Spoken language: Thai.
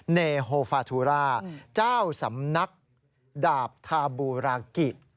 เนธโฟฟาทุราสำนักดาบทาบูรากิ